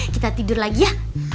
kita tidur lagi ya